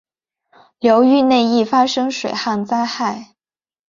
流域内易发生水旱灾害。